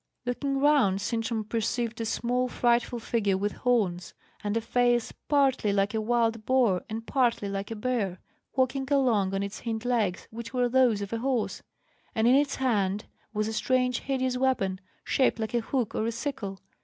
Looking round, Sintram perceived a small, frightful figure with horns, and a face partly like a wild boar and partly like a bear, walking along on its hind legs, which were those of a horse; and in its hand was a strange, hideous weapon, shaped like a hook or a sickle.